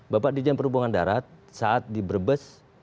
bapak didian perhubungan darat saat di berbes